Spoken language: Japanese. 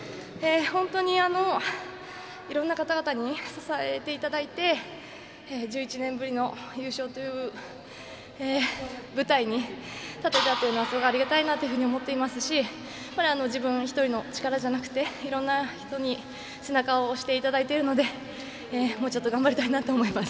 本当にいろんな方々に支えていただいて１１年ぶりの優勝という舞台に立てたっていうのはすごいありがたいなというふうに思っていますし自分一人の力じゃなくていろんな人に背中を押していただいているのでもうちょっと頑張りたいなと思います。